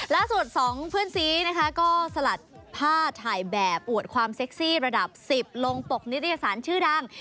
สองเพื่อนซีนะคะก็สลัดผ้าถ่ายแบบอวดความเซ็กซี่ระดับ๑๐ลงปกนิตยสารชื่อดัง